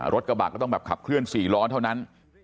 กระบะก็ต้องแบบขับเคลื่อน๔ล้อเท่านั้น